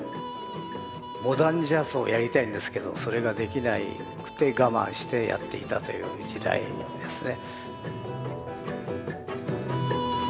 モダンジャズをやりたいんですけどそれができなくて我慢してやっていたという時代ですね。